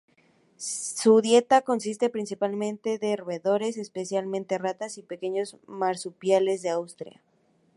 Su dieta consiste principalmente de roedores, especialmente ratas y pequeños marsupiales de Australia.